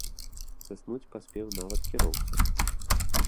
Заснуць паспеў нават кіроўца.